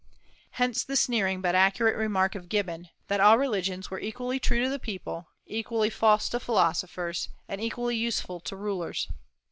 Hence the sneering but acute remark of Gibbon, that all religions were equally true to the people, equally false to philosophers, and equally useful to rulers.